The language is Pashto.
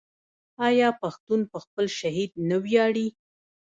آیا پښتون په خپل شهید نه ویاړي؟